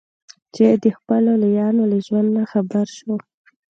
چې د خپلو لویانو له ژوند نه خبر شو.